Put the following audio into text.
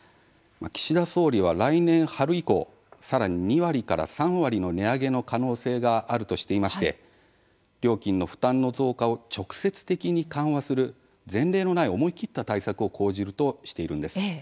岸田総理は来年春以降さらに２割から３割の値上げの可能性があるとしていまして料金負担の増加を直接的に緩和する前例のない思い切った対策を講じるとしているんです。